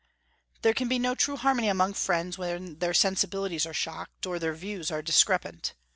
There can be no true harmony among friends when their sensibilities are shocked, or their views are discrepant.